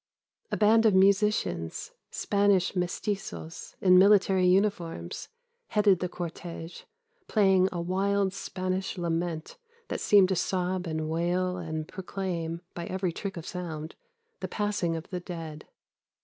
A band of musicians, Spanish mestizos, in military uniforms, headed the cortège, playing a wild Spanish lament, that seemed to sob and wail and proclaim, by every trick of sound, the passing of the dead.